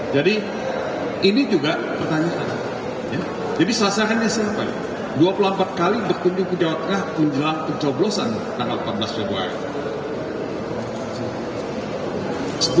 jadi ini juga pertanyaan jadi sasarannya siapa dua puluh empat kali berkunjung ke jawa tengah menjelang kecoblosan tanggal empat belas februari